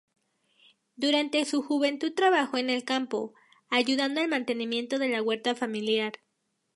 Durante su juventud trabajó en el campo, ayudando al mantenimiento de la huerta familiar.